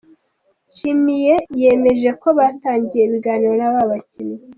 Nshimiye yemeje ko batangiye ibiganiro n’aba bakinnyi.